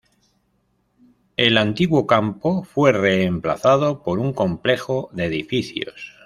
El antiguo campo fue reemplazado por un complejo de edificios.